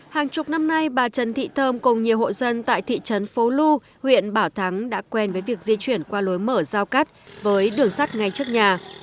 hàng chục năm nay bà trần thị thơm cùng nhiều hộ dân tại thị trấn phố lu huyện bảo thắng đã quen với việc di chuyển qua lối mở giao cắt với đường sắt ngay trước nhà